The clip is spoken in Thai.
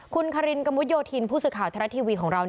คุณคารินกระมุดโยธินผู้สื่อข่าวไทยรัฐทีวีของเรา